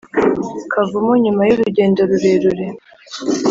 kavumu, nyuma y’urugendo rurerure